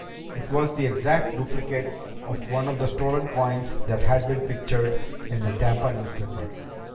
It was the exact duplicate of one of the stolen coins that had been pictured in the Tampa newspaper.